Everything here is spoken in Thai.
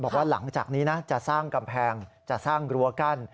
บอกว่าหลังจากนี้นะจะสร้างกำแพงจะสร้างรั้วกั้น